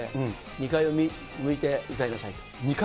２階を向いて歌いなさい。